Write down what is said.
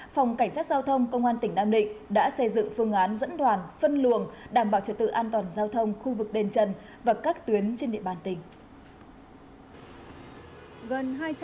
phòng cảnh sát giao thông công an tỉnh nam định đã xây dựng phương án dẫn đoàn phân luồng đảm bảo trật tự an toàn giao thông khu vực đền trần và các tuyến trên địa bàn tỉnh